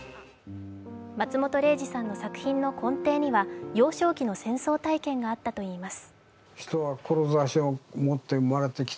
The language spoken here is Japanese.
松本零士さんの作品の根底には幼少期の戦争体験があったといいます。